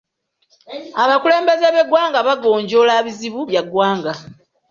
Abakulembeze b'eggwanga bagonjoola bizibu bya ggwanga.